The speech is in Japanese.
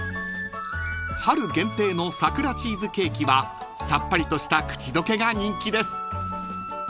［春限定の桜チーズケーキはさっぱりとした口溶けが人気です］